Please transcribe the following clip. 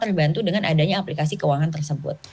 itu akan tergantung dengan adanya aplikasi keuangan tersebut